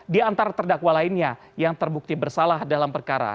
di antara terdakwa lainnya yang terbukti bersalah dalam perkara